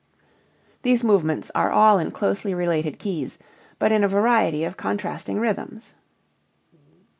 These movements are all in closely related keys, but in a variety of contrasting rhythms.